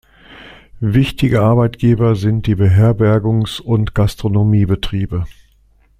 Wichtige Arbeitgeber sind die Beherbergungs- und Gastronomiebetriebe.